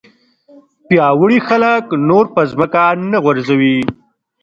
پیاوړي خلک نور په ځمکه نه غورځوي.